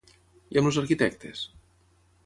I amb els arquitectes?